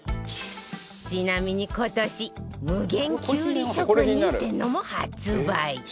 ちなみに今年無限きゅうり職人ってのも発売